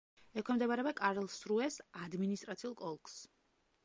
ექვემდებარება კარლსრუეს ადმინისტრაციულ ოლქს.